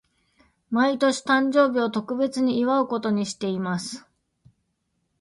毎年、誕生日を特別に祝うことにしています。